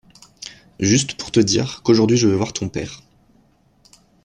Juste pour te dire qu'aujourd'hui je vais voir ton père.